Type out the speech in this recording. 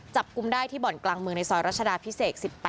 กุมได้ที่บ่อนกลางเมืองในซอยรัชดาพิเศษ๑๘